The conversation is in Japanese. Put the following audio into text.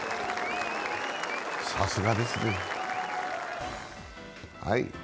さすがですね。